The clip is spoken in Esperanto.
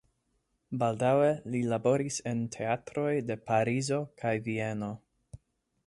Baldaŭe li laboris en teatroj de Parizo kaj Vieno.